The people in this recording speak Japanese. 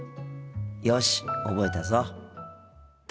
よし覚えたぞ。